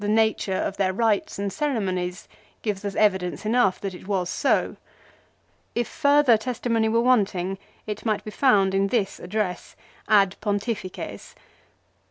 1 The nature of their rites and ceremonies give us evidence enough that it was so. If further testimony were wanting it might be found in this address " Ad Pontifices."